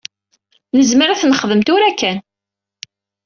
Nezmer ad t-nexdem tura kan.